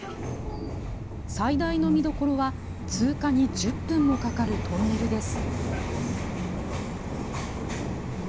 最大の見どころは、通過に１０分もかかるトンネルです。